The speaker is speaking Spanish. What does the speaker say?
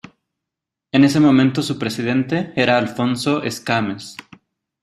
En ese momento su presidente era Alfonso Escámez.